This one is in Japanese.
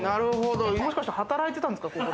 もしかして働いてたんですか？